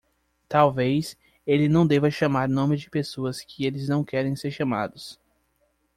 Talvez ele não deva chamar nomes de pessoas que eles não querem ser chamados.